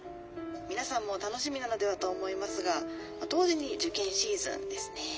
皆さんも楽しみなのではと思いますが同時に受験シーズンですね。